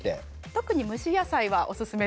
特に蒸し野菜はおすすめです。